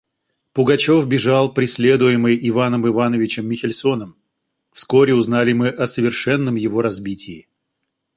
Пугачев бежал, преследуемый Иваном Ивановичем Михельсоном. Вскоре узнали мы о совершенном его разбитии.